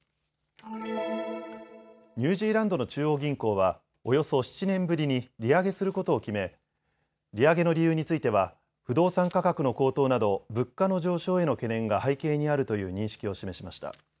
ニュージーランドの中央銀行はおよそ７年ぶりに利上げすることを決め利上げの理由については不動産価格の高騰など物価の上昇への懸念が背景にあるという認識を示しました。